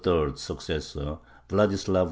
's successor, Vladislav IV.